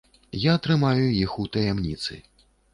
Я трымаю іх у таямніцы.